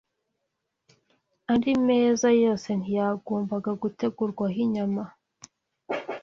Andi meza yose ntiyagombaga gutegurwaho inyama.